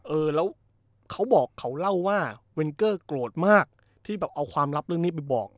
เออแล้วเขาบอกเขาเล่าว่าเวนเกอร์โกรธมากที่แบบเอาความลับเรื่องนี้ไปบอก